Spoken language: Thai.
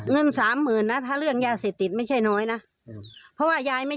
เงิน๓๐๐๐๐บาทถ้าเรื่องยาเศษติดไม่ใช่น้อยนะเพราะว่ายายไม่